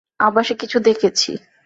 আভাসে কিছু দেখেছি।